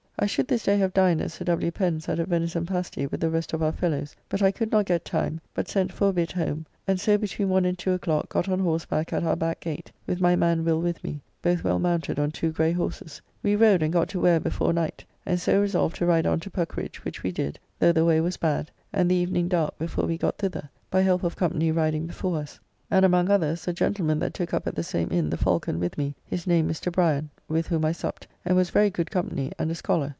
I should this day have dined at Sir W. Pen's at a venison pasty with the rest of our fellows, but I could not get time, but sent for a bit home, and so between one and two o'clock got on horseback at our back gate, with my man Will with me, both well mounted on two grey horses. We rode and got to Ware before night; and so resolved to ride on to Puckeridge, which we did, though the way was bad, and the evening dark before we got thither, by help of company riding before us; and among others, a gentleman that took up at the same inn, the Falcon, with me, his name Mr. Brian, with whom I supped, and was very good company, and a scholar.